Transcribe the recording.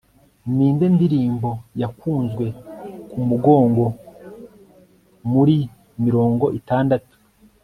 ninde ndirimbo yakunzwe kumugongo muri mirongo itandatu